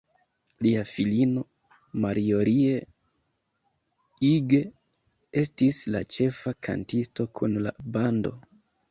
Lia filino, Marjorie Hughes estis la ĉefa kantisto kun la bando.